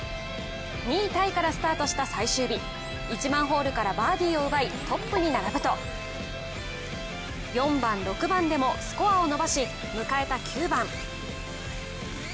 ２位タイからスタートした最終日、１番ホールからバーディーを奪いトップに並ぶと４番、６番でもスコアを伸ばし、迎えた９番。